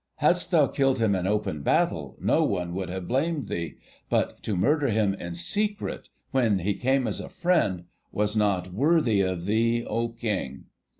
Hadst thou killed him in open battle, no one could have blamed thee, but to murder him in secret when he came as a friend was not worthy of thee, O King.